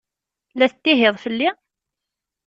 La tettihiḍ fell-i?